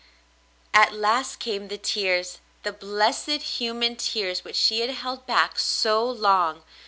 At last came the tears, the blessed human tears which she had held back so long.